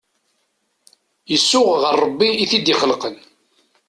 Isuɣ ɣer Rebbi i t-id-ixelqen.